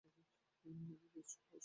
Tetsuya, হাহ?